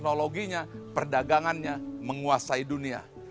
teknologinya perdagangannya menguasai dunia